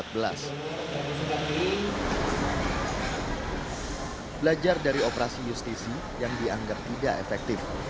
belajar dari operasi justisi yang dianggap tidak efektif